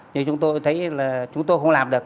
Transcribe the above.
nhưng chúng tôi thấy là chúng tôi không làm được